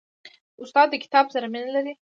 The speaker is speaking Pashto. استاد د کتاب سره مینه لري.